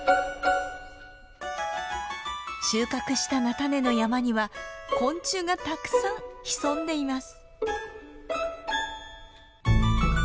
収穫した菜種の山には昆虫がたくさん潜んでいます。